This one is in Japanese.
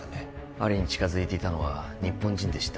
アリに近づいていたのは日本人でした